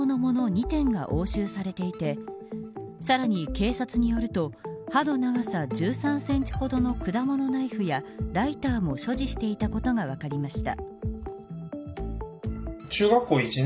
２点が押収されていてさらに警察によると刃の長さ１３センチほどの果物ナイフやライターも所持していたことが分かりました。